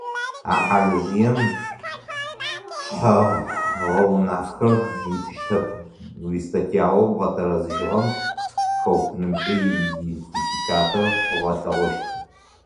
А хьалыжъыем шъхьэ-гъэунэфхэр итыщтэп, уистатьяу бгъэтэрэзыжьыгъэм хэутынымкӏэ иидентификатор къыгъэлъэгъощт.